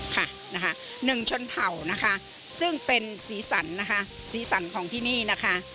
ค่ะนะคะหนึ่งชนเผ่านะคะซึ่งเป็นสีสันนะคะสีสันของที่นี่นะคะ